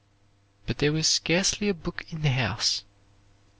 But there was scarcely a book in the house.